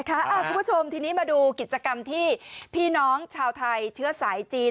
คุณผู้ชมทีนี้มาดูกิจกรรมที่พี่น้องชาวไทยเชื้อสายจีน